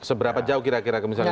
seberapa jauh kira kira misalnya